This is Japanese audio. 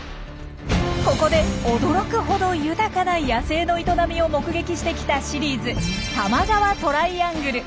ここで驚くほど豊かな野生の営みを目撃してきたシリーズ「多摩川トライアングル」。